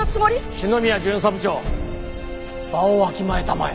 篠宮巡査部長場をわきまえたまえ。